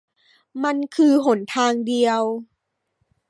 มันคือหนทางเดียว